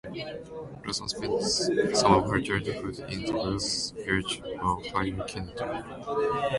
Lawson spent some of her childhood in the Welsh village of Higher Kinnerton.